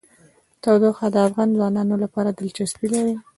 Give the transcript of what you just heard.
تودوخه د افغان ځوانانو لپاره دلچسپي لري.